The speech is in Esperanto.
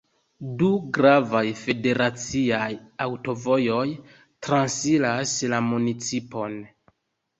Du gravaj federaciaj aŭtovojoj transiras la municipon.